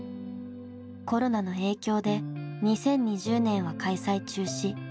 コロナの影響で２０２０年は開催中止。